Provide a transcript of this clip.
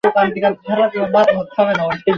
বর্তমানে এটি জার্মান শহর থুরিনজিয়ায় অবস্থিত।